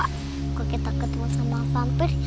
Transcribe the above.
kalau kita ketemu sama pampers